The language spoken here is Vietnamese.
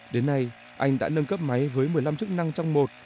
đến nay anh đã nâng cấp máy với một mươi năm chức năng trong một